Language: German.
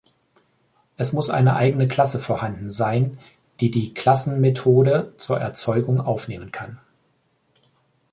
Es muss eine eigene Klasse vorhanden sein, die die Klassen-Methode zur Erzeugung aufnehmen kann.